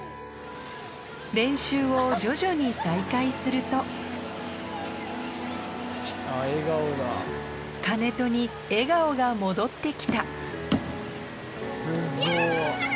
練習を徐々に再開すると金戸に笑顔が戻って来たイェイ！